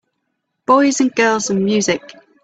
Boys and girls and music.